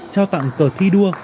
trao tặng cờ thi đua